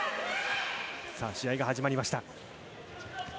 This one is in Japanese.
さぁ試合が始まりました。